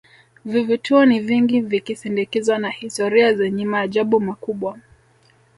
vivutio ni vingi vikisindikizwa na historia zenye maajabu makubwa